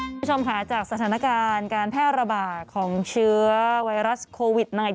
คุณผู้ชมค่ะจากสถานการณ์การแพร่ระบาดของเชื้อไวรัสโควิด๑๙